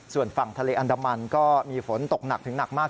ส่วนฝั่งทะเลอันดามันก็มีฝนตกหนักถึงหนักมาก